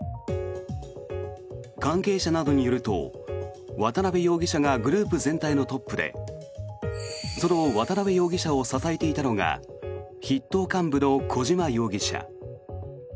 関係者などによると渡邉容疑者がグループ全体のトップでその渡邉容疑者を支えていたのが筆頭幹部の小島容疑者。